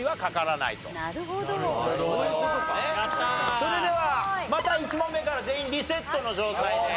それではまた１問目から全員リセットの状態で。